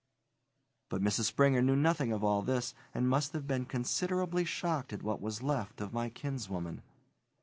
But Mrs. Springer knew nothing of all this, and must have been considerably shocked at what was left of my kinswoman.